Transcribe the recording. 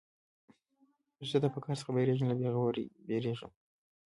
زه د فقر څخه بېرېږم، له بېغورۍ بېرېږم.